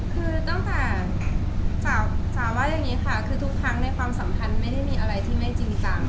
คือตั้งแต่จ๋าว่าอย่างนี้ค่ะคือทุกครั้งในความสัมพันธ์ไม่ได้มีอะไรที่ไม่จริงจัง